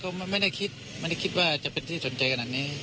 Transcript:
ก็ไม่ได้คิดไม่ได้คิดว่าจะเป็นที่สนใจขนาดนี้